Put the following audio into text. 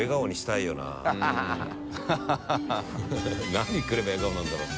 何来れば笑顔になるんだろう？